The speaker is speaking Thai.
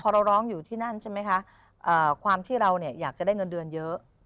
พอเราร้องอยู่ที่นั่นใช่ไหมคะความที่เราเนี่ยอยากจะได้เงินเดือนเยอะ